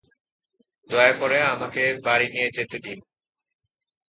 দয়া করে আমাকে বাড়ি নিয়ে যেতে দিন?